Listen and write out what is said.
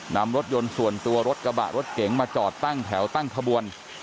นำรถยนต์ส่วนตัวรถกระบะรถเก๋งมาจอดตั้งแถวตั้งขบวน